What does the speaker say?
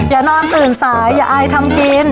อย่านอนตื่นสายอย่าอายทำกิน